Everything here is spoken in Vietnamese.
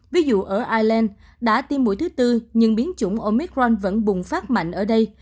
ví dụ ở ireland đã tiêm mũi thứ tư nhưng biến chủng omicron vẫn bùng phát mạnh ở đây